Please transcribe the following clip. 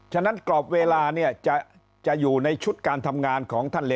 ฉะนั้นกรอบเวลาเนี่ยจะอยู่ในชุดการทำงานของท่านเลย